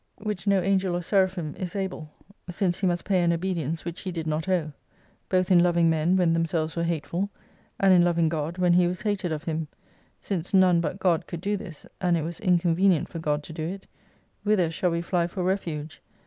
8 which no Angel or Seraphin is able : Since He must pay an obedience which He did not owe : both in lov ing men when themselves wei'e hateful, and in loving God when He was hated of Him : since none but God could do this, and it was inconvenient for God to do it : whither shall we fly for refuge